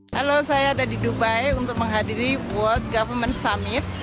halo saya ada di dubai untuk menghadiri world government summit